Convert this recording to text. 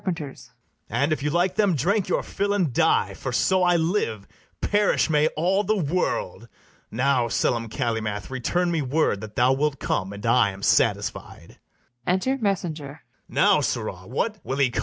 And, if you like them, drink your fill and die; For, so I live, perish may all the world! Now, Selim Calymath, return me word That thou wilt come, and I am satisfied. Enter MESSENGER. Now, sirrah; what, will he come?